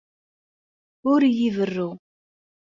Ur iyi-berru.